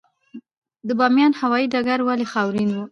د بامیان هوايي ډګر ولې خاورین و؟